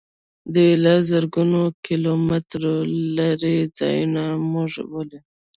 دوی له زرګونو کیلو مترو لیرې ځایه موږ ولي.